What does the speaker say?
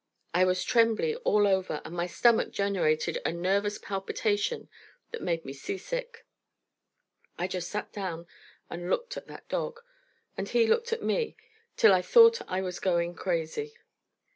I was trembly all over, and my stomach generated a nervous palpitation that made me seasick. I just sat down and looked at that dog, and he looked at me, till I thought I was going crazy.